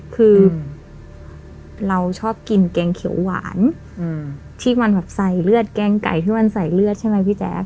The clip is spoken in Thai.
คือเราชอบกินแกงเขียวหวานที่มันแบบใส่เลือดแกงไก่ที่มันใส่เลือดใช่ไหมพี่แจ๊ค